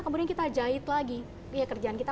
kemudian kita jahit lagi ya kerjaan kita